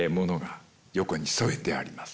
横に添えてあります。